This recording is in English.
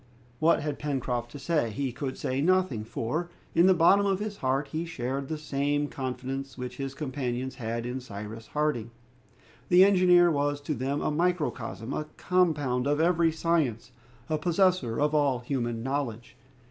What had Pencroft to say? He could say nothing, for, in the bottom of his heart he shared the confidence which his companions had in Cyrus Harding. The engineer was to them a microcosm, a compound of every science, a possessor of all human knowledge.